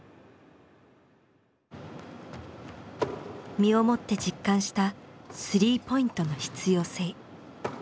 身をもって実感した３ポイントの必要性。